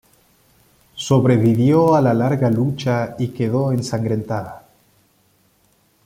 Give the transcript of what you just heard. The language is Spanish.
Sobrevivió a la larga lucha y quedó ensangrentada.